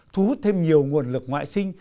thu hút thêm nhiều nguồn lực ngoại sinh